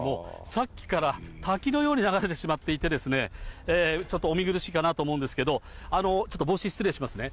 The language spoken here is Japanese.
さっきから滝のように流れてしまっていて、ちょっとお見苦しいかなと思うんですけど、ちょっと帽子失礼しますね。